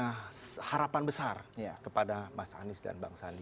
punya harapan besar kepada mas anies dan bang sandi